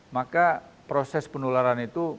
maka proses penularan itu